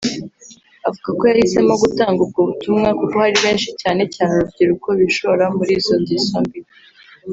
Avuga ko yahisemo gutanga ubwo butumwa kuko hari benshi cyane cyane urubyiruko bishora muri izo ngeso mbi